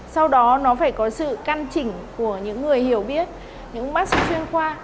sau đó nó phải có sự căn chỉnh của những người hiểu biết những bác sĩ chuyên khoa